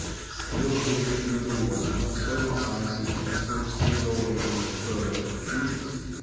Still his refusal was not so decisive as to exclude all room for further entreaties.